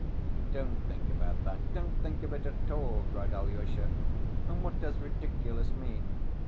"Don't think about that, don't think of it at all!" cried Alyosha. "And what does ridiculous mean?